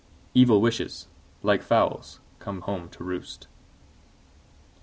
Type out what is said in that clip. Evil wishes, like fowls, come home to roost.